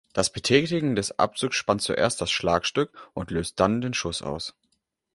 Das Betätigen des Abzuges spannt zuerst das Schlagstück und löst dann den Schuss aus.